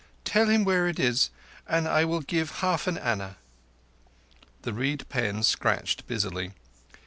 "Tell him where it is, and I give half an anna." The reed pen scratched busily.